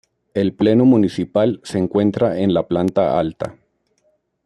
El pleno municipal se encuentra en la planta alta.